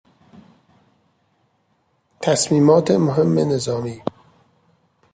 تصمیمات مهم نظامی